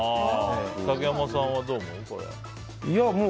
竹山さんはどう思う？